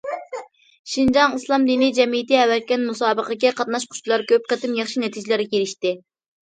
شىنجاڭ ئىسلام دىنى جەمئىيىتى ئەۋەتكەن مۇسابىقىگە قاتناشقۇچىلار كۆپ قېتىم ياخشى نەتىجىلەرگە ئېرىشتى.